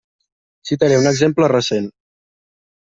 Citaré un exemple recent.